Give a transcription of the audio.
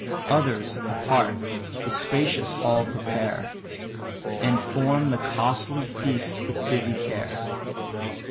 Others, apart, the spacious hall prepare, And form the costly feast with busy care.